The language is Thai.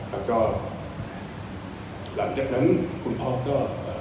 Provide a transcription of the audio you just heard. แล้วก็หลังจากนั้นคุณพ่อก็เอ่อ